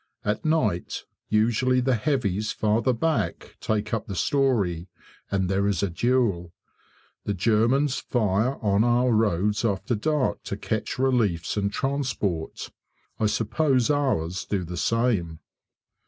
At night usually the heavies farther back take up the story, and there is a duel. The Germans fire on our roads after dark to catch reliefs and transport. I suppose ours do the same.